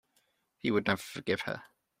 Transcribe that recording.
He would never forgive her.